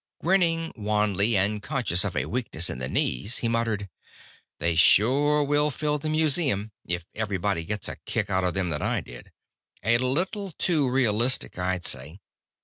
Grinning wanly, and conscious of a weakness in the knees, he muttered: "They sure will fill the museum, if everybody gets the kick out of them that I did. A little too realistic, I'd say.